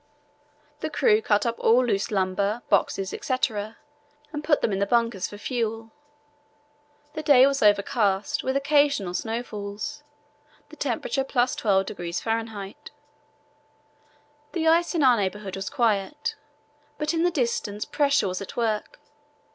The crew cut up all loose lumber, boxes, etc., and put them in the bunkers for fuel. The day was overcast, with occasional snowfalls, the temperature +12° Fahr. The ice in our neighbourhood was quiet, but in the distance pressure was at work.